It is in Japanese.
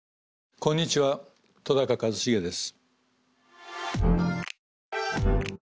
こんにちは戸一成です。